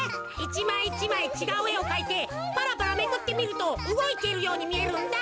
１まい１まいちがうえをかいてパラパラめくってみるとうごいてるようにみえるんだ。